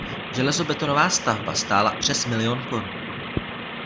Železobetonová stavba stála přes milion korun.